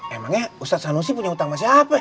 emangnya ustadz sanusi punya utang sama siapa